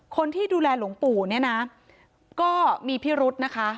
คนที่ดูแลหลวงปู่เนี่ยนะก็มีพิรุธนะคะ